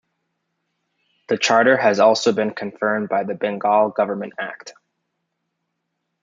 The charter has also been confirmed by the Bengal Government Act.